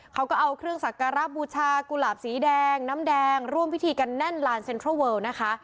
เขาก็เอาเครื่องสักการะบูชากุหลาบสีแดงน้ำแดงร่วมพิธีกันแน่นลานเซ็นทรัลเวิลนะคะ